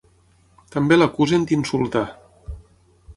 També l’acusen d’insultar.